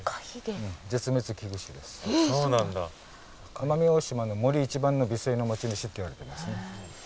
奄美大島の森一番の美声の持ち主っていわれてますね。